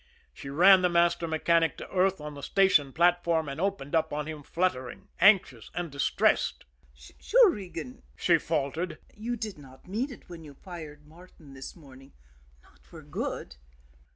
She ran the master mechanic to earth on the station platform, and opened up on him, fluttering, anxious, and distressed. "Sure, Regan," she faltered, "you did not mean it when you fired Martin this morning not for good."